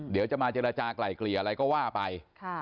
เดี๋ยวจะมาเจรจากลายเกลี่ยอะไรก็ว่าไป